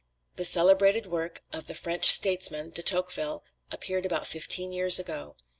The celebrated work of the French statesman, De Tocqueville, appeared about fifteen years ago.